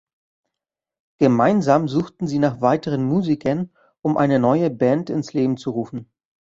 Gemeinsam suchten sie nach weiteren Musikern, um eine neue Band ins Leben zu rufen.